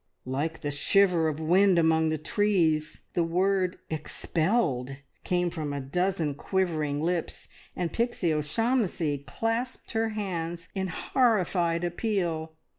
Like the shiver of wind among the trees, the word "Expelled!" came from a dozen quivering lips, and Pixie O'Shaughnessy clasped her hands in horrified appeal.